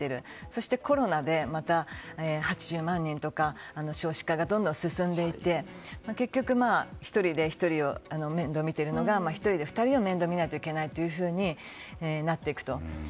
そして、コロナでまた８０万人とか少子化がどんどん進んでいて結局１人で１人を面倒みているのが１人で２人を面倒見ないといけなくなってくると。